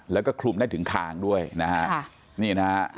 แล้วก็คลุมได้ถึงคางด้วยนะฮะนี่นะฮะ